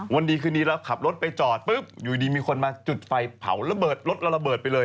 วันดีคืนนี้เราขับรถไปจอดปุ๊บอยู่ดีมีคนมาจุดไฟเผาระเบิดรถเราระเบิดไปเลย